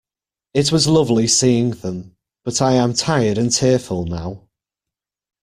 It was lovely seeing them, but I am tired and tearful now.